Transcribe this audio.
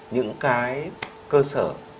những cái cơ sở